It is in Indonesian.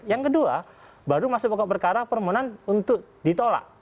yang kedua baru masuk pokok perkara permohonan untuk ditolak